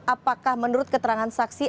apakah menurut keterangan saksi